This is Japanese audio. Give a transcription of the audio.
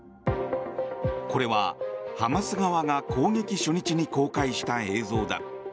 これはハマス側が攻撃初日に公開した映像だ。